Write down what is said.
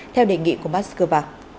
theo đề nghị của moscow